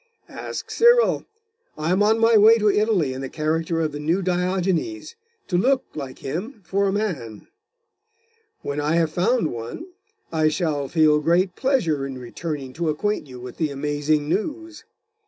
'Ask Cyril. I am on my way to Italy, in the character of the New Diogenes, to look, like him, for a man. When I have found one, I shall feel great pleasure in returning to acquaint you with the amazing news.